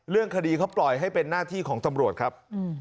เรื่องคดีเขาปล่อยให้เป็นหน้าที่ของตำรวจครับ